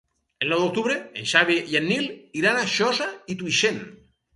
El nou d'octubre en Xavi i en Nil iran a Josa i Tuixén.